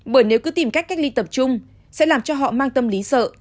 bởi nếu cứ tìm cách cách ly tập trung sẽ làm cho họ mang tâm lý sợ